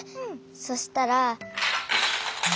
そしたら。